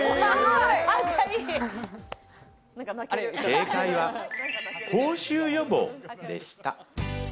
正解は口臭予防でした。